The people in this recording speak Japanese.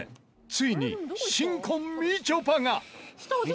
ついに新婚みちょぱが。